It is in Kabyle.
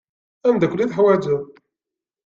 D amdakel i teḥwaǧeḍ.